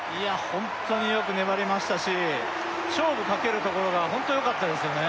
ホントによく粘りましたし勝負かけるところがホントよかったですよね